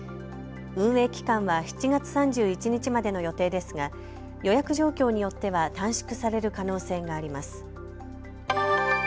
運営期間は７月３１日までの予定ですが予約状況によっては短縮される可能性があります。